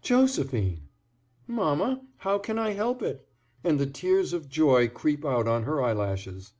"Josephine!" "Mamma, how can I help it?" and the tears of joy creep out on her eyelashes.